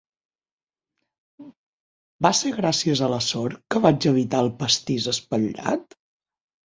Va ser gràcies a la sort que vaig evitar el pastís espatllat?